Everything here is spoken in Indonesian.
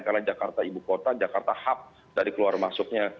karena jakarta ibu kota jakarta hub dari keluar masuknya